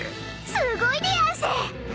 ［すごいでやんす］